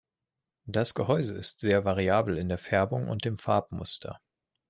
Das Gehäuse ist sehr variabel in der Färbung und dem Farbmuster.